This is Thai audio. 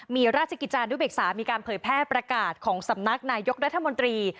มีราชกิจจานุเบกษามีการเผยแพร่ประกาศของสำนักนายกรัฐมนตรี